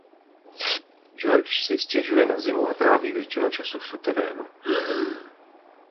George si stěžuje na zimu a tráví většinu času v suterénu.